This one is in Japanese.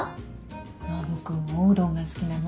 ノブ君おうどんが好きなの？